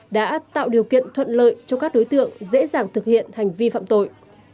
đã tạo điều kiện thuận lợi cho các đối tượng dễ dàng thực hiện hành vi phát triển